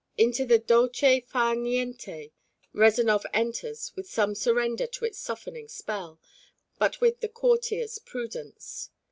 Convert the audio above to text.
Into the dolce far niente Rezanov enters with some surrender to its softening spell, but with the courtier's prudence.